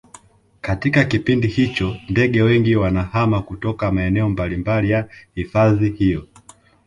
katika kipindi hicho ndege wengi wanahama kutoka maeneo mbalimbali ya hifadhi hiyo